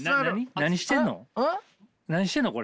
何してんのこれ。